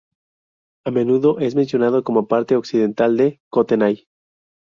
A menudo es mencionado como parte occidental de Kootenay.